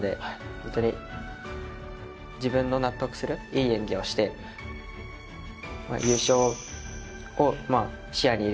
ホントに自分の納得するいい演技をして優勝を視野に入れていくんですけど。